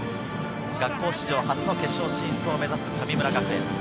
学校史上初の決勝進出を目指す神村学園。